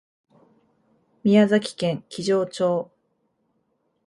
宮崎県木城町